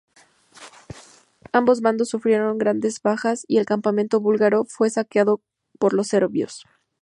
Ambos bandos sufrieron grandes bajas y el campamento búlgaro fue saqueado por los serbios.